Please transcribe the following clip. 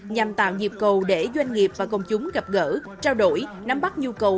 nhằm tạo dịp cầu để doanh nghiệp và công chúng gặp gỡ trao đổi nắm bắt nhu cầu